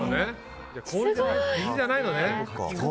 水じゃないのね。